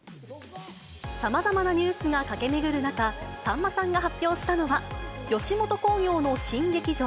さまざまなニュースが駆け巡る中、さんまさんが発表したのは、吉本興業の新劇場、